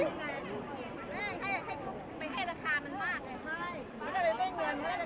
ต้องใจร่วม